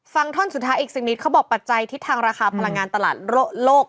ท่อนสุดท้ายอีกสักนิดเขาบอกปัจจัยทิศทางราคาพลังงานตลาดโลก